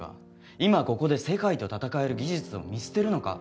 今ここで世界と戦える技術を見捨てるのか？